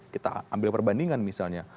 kita ambil perbandingan misalnya